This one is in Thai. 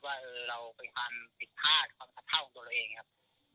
ว่าเราเป็นความผิดพลาดความสะเท่าของตัวเราเองครับ